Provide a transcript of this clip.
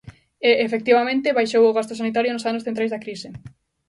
E, efectivamente, baixou o gasto sanitario nos anos centrais da crise.